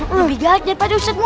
lebih galak daripada ustadzmu